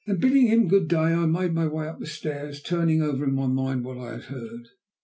Then, bidding him good day, I made my way up stairs, turning over in my mind what I had heard.